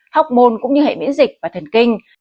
học môn cũng như hệ miễn dịch và thần kinh